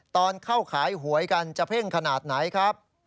ตอนเข้าขายหวยกันจะเพ่งขนาดไหนครับ